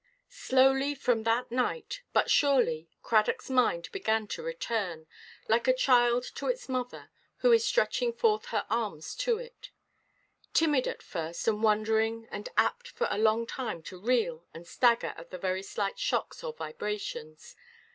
Slowly from that night, but surely, Cradockʼs mind began to return, like a child to its mother, who is stretching forth her arms to it; timid at first and wondering, and apt for a long time to reel and stagger at very slight shocks or vibrations.